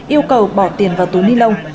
yêu cầu bỏ tiền vào túi ni lông